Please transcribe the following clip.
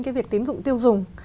cái việc tín dụng tiêu dùng